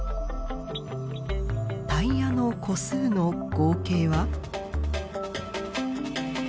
タイヤの個数の合計は？